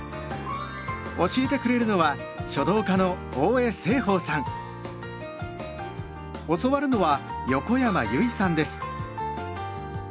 教えてくれるのは教わるのは横山由依さんです。